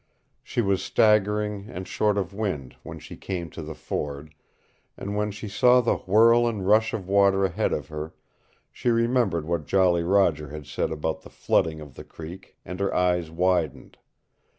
She was staggering, and short of wind, when she came to the ford, and when she saw the whirl and rush of water ahead of her she remembered what Jolly Roger had said about the flooding of the creek, and her eyes widened.